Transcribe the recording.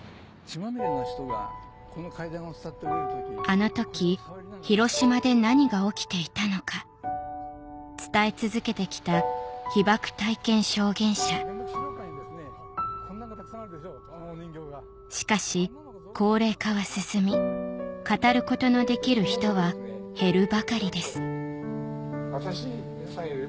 あの時ヒロシマで何が起きていたのか伝え続けてきたしかし高齢化は進み語ることのできる人は減るばかりです